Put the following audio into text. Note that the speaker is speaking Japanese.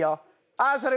ああそれ